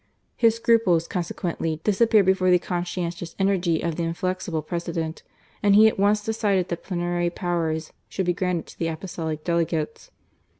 His scruples, consequently, disap[>eared before the con scientious energy of the inflexible President ; and he at once decided that plenary powers should be granted to the Apostolic Delegates.